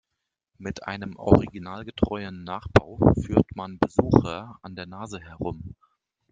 Mit einem originalgetreuen Nachbau führt man Besucher an der Nase herum.